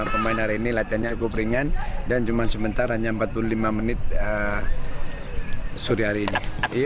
pemain hari ini latihannya cukup ringan dan cuma sebentar hanya empat puluh lima menit sore hari ini